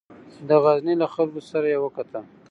د غزني له خلکو سره وکتل.